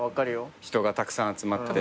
人がたくさん集まって。